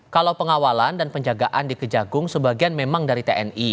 kalau pengawalan dan penjagaan di kejagung sebagian memang dari tni